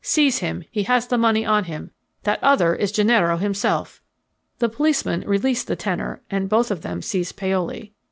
Seize him he has the money on him. That other is Gennaro himself." The policeman released the tenor, and both of them seized Paoli.